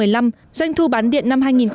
doanh thu bán điện năm hai nghìn một mươi tám